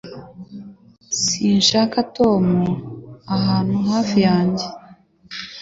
Sinshaka Tom ahantu hafi yanjye